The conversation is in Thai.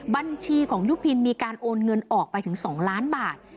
บัญชีของยุพินมีการโอนเงินออกไปถึง๒ล้านบาท